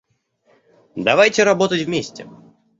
Давайте работать вместе.